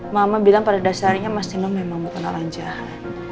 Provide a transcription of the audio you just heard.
mama bilang pada dasarnya mas nino memang kenalan jahat